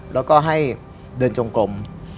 แล้วก็ให้เดินจงกลม